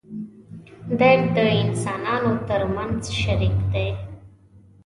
درد د انسانانو تر منځ شریک دی.